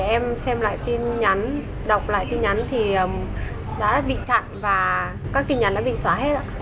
em xem lại tin nhắn đọc lại tin nhắn thì đã bị chặn và các tin nhắn đã bị xóa hết ạ